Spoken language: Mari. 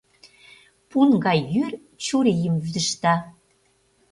Пун гай йӱр чурийым вӱдыжта.